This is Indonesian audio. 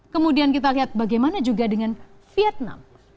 kemudian kita lihat bagaimana juga dengan vietnam